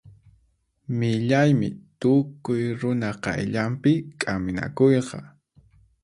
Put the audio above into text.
Millaymi tukuy runa qayllanpi k'aminakuyqa.